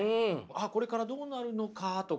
「これからどうなるのか」とかね